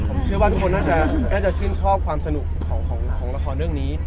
ผมเชื่อว่าทุกคนน่าจะชื่นชอบความสนุกของละครเรื่องนี้